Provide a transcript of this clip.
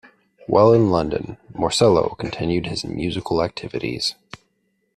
While in London, Morsello continued his musical activities.